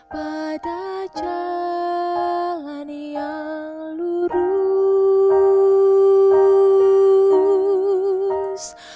pada jalan yang lurus